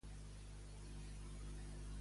Himne Nacional de França.